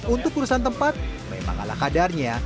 untuk urusan tempat memang ala kadarnya